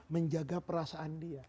menjaga perasaan dia